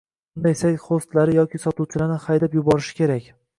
Bunday sayt xostlarni yoki sotuvchilarni haydab yuborishi kerak